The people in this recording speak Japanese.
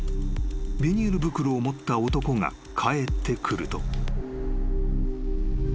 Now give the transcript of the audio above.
［ビニール袋を持った男が帰ってくると］